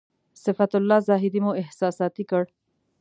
صفت الله زاهدي مو احساساتي کړ.